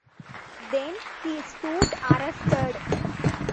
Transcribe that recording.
Then he stood, arrested.